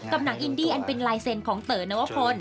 หนังอินดี้อันเป็นลายเซ็นต์ของเต๋อนวพล